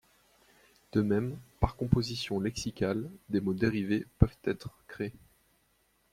De même, par composition lexicale, des mots dérivés peuvent être créés.